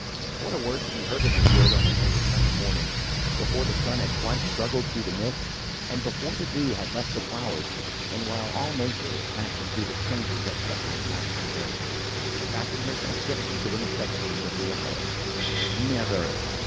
What a word to be heard in a wood on an early summer morning, before the sun had quite struggled through the mists, and before the dew had left the flowers and while all Nature was passing through the changes that separate night from day, adapting herself gently to the necessities of the hour. "Never!"